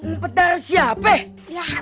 ntar siapa ya